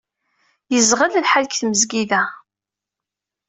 Yezɣel lḥal deg tmezgida.